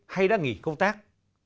hay đã nghỉ công tác